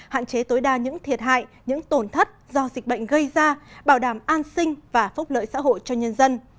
hạn chế tối đa những thiệt hại những tổn thất do dịch bệnh gây ra bảo đảm an sinh và phúc lợi xã hội cho nhân dân